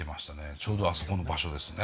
ちょうどあそこの場所ですね。